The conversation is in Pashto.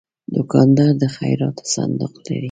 دوکاندار د خیراتو صندوق لري.